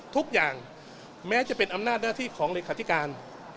ทุกอย่างแม้จะเป็นอำนาจหน้าที่ของเลขาธิการ